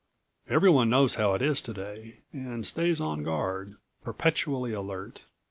Everyone knows how it is today, and stays on guard, perpetually alert.